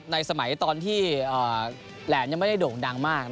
ในสมัยตอนแหลมที่ที่ยังไม่ได้โด่งดังมาก